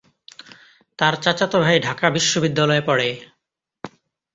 তার চাচাতো ভাই ঢাকা বিশ্ববিদ্যালয়ে পড়ে।